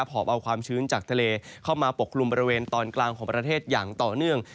อบเอาความชื้นจากทะเลเข้ามาปกคลุมบริเวณตอนกลางของประเทศอย่างต่อเนื่อง